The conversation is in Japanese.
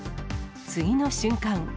次の瞬間。